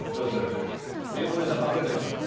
ゆうこりんさん隠れてます。